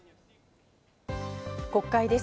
国会です。